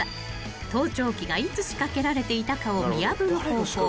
［盗聴器がいつ仕掛けられていたかを見破る方法］